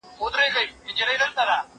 بل موږك په كونج كي ناست وو شخ برېتونه